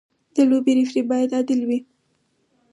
د لوبې ریفري باید عادل وي.